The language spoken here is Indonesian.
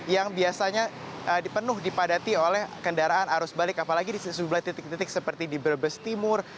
yang biasanya dipenuh dipadati oleh kendaraan arus balik apalagi di sebelah titik titik seperti di brebes timur